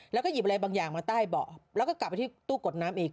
แล้วก็หยิบอะไรบางอย่างมาใต้เบาะแล้วก็กลับไปที่ตู้กดน้ำอีก